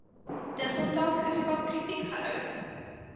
Desondanks is er wat kritiek geuit.